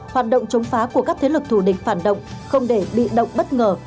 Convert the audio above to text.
hoạt động chống phá của các thế lực thù địch phản động không để bị động bất ngờ